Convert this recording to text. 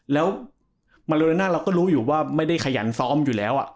แล้วมาเรน่าเราก็รู้อยู่ว่าไม่ได้ขยันซ้อมอยู่แล้ว